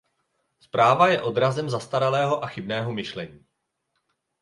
Zpráva je odrazem zastaralého a chybného myšlení.